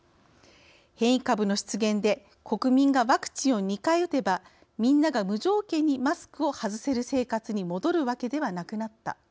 変異株の出現で国民がワクチンを２回打てばみんなが無条件にマスクを外せる生活に戻るわけではなくなった。